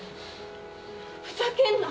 ふざけんな！